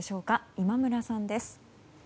今村さんです。